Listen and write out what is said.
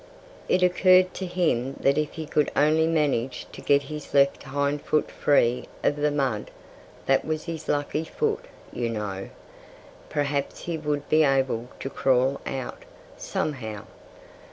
It occurred to him that if he could only manage to get his left hind foot free of the mud (that was his lucky foot, you know) perhaps he would be able to crawl out, somehow.